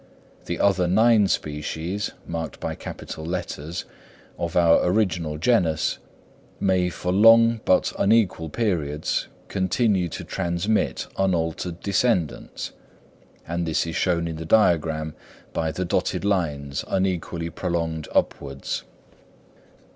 The other nine species (marked by capital letters) of our original genus, may for long but unequal periods continue to transmit unaltered descendants; and this is shown in the diagram by the dotted lines unequally prolonged upwards.